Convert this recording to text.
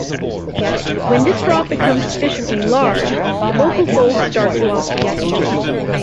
When this drop becomes sufficiently large, the vocal folds start to oscillate.